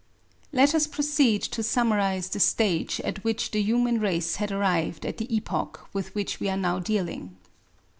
Let us proceed to summarize the stage at which the human race had arrived at the epoch with which we are now dealing.